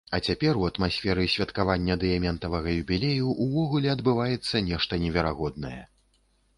А цяпер у атмасферы святкавання дыяментавага юбілею ўвогуле адбываецца нешта неверагоднае.